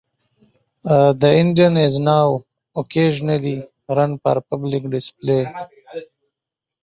The engine is now occasionally run for public display.